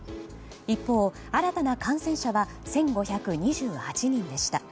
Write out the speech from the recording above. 一方、新たな感染者は１５２８人でした。